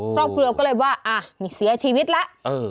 ครอบครัวก็เลยว่านี่เสียชีวิตแล้ว